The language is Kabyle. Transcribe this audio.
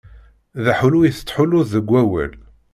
D aḥullu i tettḥulluḍ deg wawal.